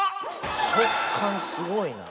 食感すごいな。